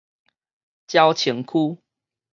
鳥松區